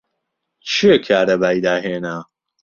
کێ کارەبای داهێنا؟